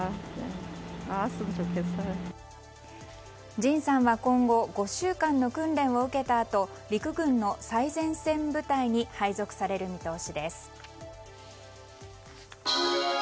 ＪＩＮさんは今後５週間の訓練を受けたあと陸軍の最前線部隊に配属される見通しです。